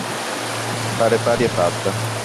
Fare pari e patta.